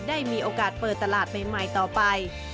ได้มีโอกาสเปิดตลาดใหม่ต่อไป